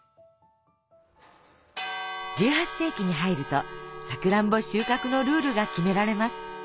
１８世紀に入るとさくらんぼ収穫のルールが決められます。